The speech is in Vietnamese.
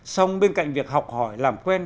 xong bên cạnh việc học hỏi làm quen